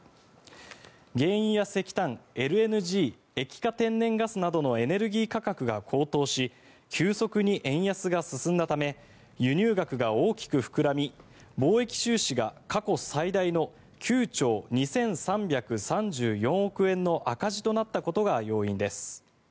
原油や石炭ＬＮＧ・液化天然ガスなどのエネルギー価格が高騰し急速に円安が進んだため輸入額が大きく膨らみ貿易収支が過去最大の９兆２３３４億円の赤字となったことが要因です。